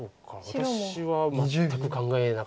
私は全く考えなかったです